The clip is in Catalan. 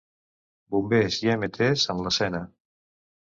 Bombers i EMT s en l'escena.